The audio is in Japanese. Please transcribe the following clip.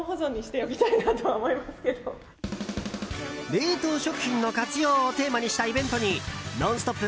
冷凍食品の活用をテーマにしたイベントに「ノンストップ！」